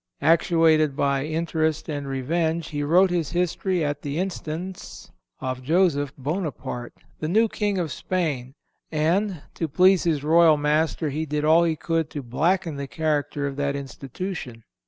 Actuated by interest and revenge, he wrote his history at the instance of Joseph Bonaparte, the new King of Spain, and, to please his royal master he did all he could to blacken the character of that institution.